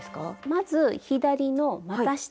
まず左のまた下。